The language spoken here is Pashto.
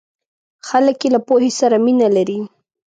خلک یې له پوهې سره مینه لري.